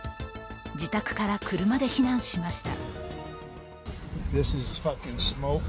自宅から車で避難しました。